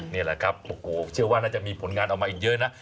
นี่แหละครับโอ้โหเชื่อว่าน่าจะมีผลงานออกมาอีกเยอะนะ